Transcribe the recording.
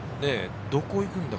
どこ行くんだ？